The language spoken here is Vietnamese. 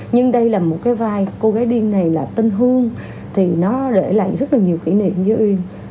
nhưng đây là một cái vai cô gái điên này là tinh hương thì nó để lại rất là nhiều kỷ niệm như uyên